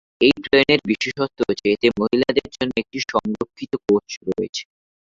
এই ট্রেনের বিশেষত্ব হচ্ছে এতে মহিলাদের জন্য একটি সংরক্ষিত কোচ রয়েছে।